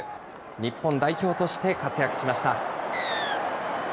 日本代表として活躍しました。